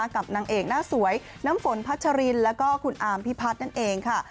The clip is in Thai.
กับนางเอกหน้าสวยน้ำฝนพัชรินแล้วก็คุณอามพิพัฒน์นั่นเองค่ะ